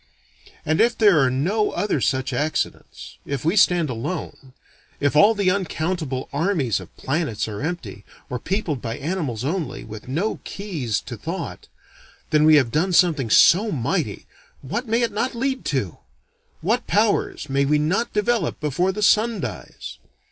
And if there are no other such accidents, if we stand alone, if all the uncountable armies of planets are empty, or peopled by animals only, with no keys to thought, then we have done something so mighty, what may it not lead to! What powers may we not develop before the Sun dies!